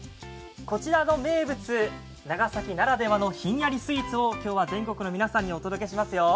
こちらの名物、長崎ならではのひんやりスイーツを今日は全国の皆さんにお届けしますよ。